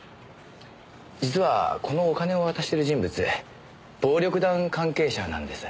実はこのお金を渡してる人物暴力団関係者なんです。